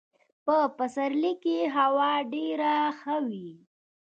په پسرلي کي هوا ډېره ښه وي .